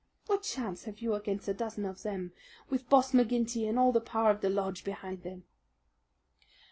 What chance have you against a dozen of them, with Boss McGinty and all the power of the lodge behind them?"